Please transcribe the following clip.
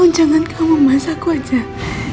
tolong jangan kamu memasak wajah